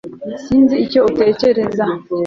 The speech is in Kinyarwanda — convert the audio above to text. Sinzi icyo utekereza